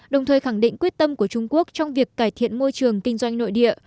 đồng thời khẳng định quyết tâm của trung quốc trong việc cải thiện môi trường kinh doanh nội địa